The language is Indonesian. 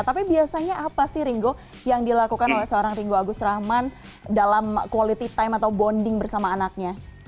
tapi biasanya apa sih ringo yang dilakukan oleh seorang ringo agus rahman dalam quality time atau bonding bersama anaknya